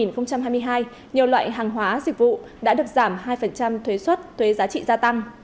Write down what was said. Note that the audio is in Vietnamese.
năm hai nghìn hai mươi hai nhiều loại hàng hóa dịch vụ đã được giảm hai thuế xuất thuế giá trị gia tăng